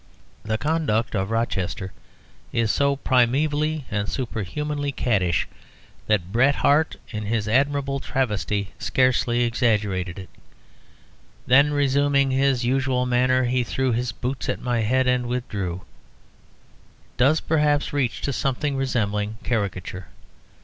The conduct of Rochester is so primevally and superhumanly caddish that Bret Harte in his admirable travesty scarcely exaggerated it. "Then, resuming his usual manner, he threw his boots at my head and withdrew," does perhaps reach to something resembling caricature.